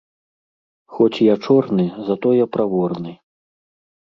Хоць я чорны, затое праворны.